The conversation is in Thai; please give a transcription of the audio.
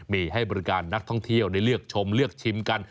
มีให้บริการนักท่องเที่ยวได้เลือกชมเลือกชิมกัน